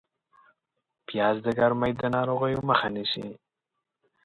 پیاز د ګرمۍ د ناروغیو مخه نیسي